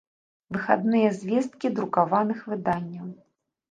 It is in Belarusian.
Выхадныя звесткi друкаваных выданняў